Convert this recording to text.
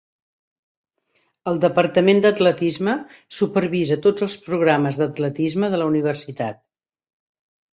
El Departament d'atletisme supervisa tots els programes d'atletisme de la Universitat.